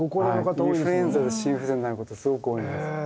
インフルエンザで心不全になることすごく多いんです。